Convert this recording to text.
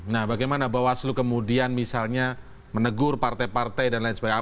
nah bagaimana bawaslu kemudian misalnya menegur partai partai dan lain sebagainya